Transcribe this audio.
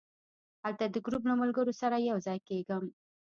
هلته د ګروپ له ملګرو سره یو ځای کېږم.